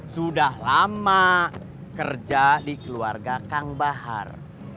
sudah lama kerja di keluarga kang bahar